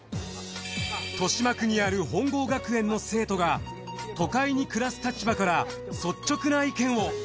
豊島区にある本郷学園の生徒が都会に暮らす立場から率直な意見を。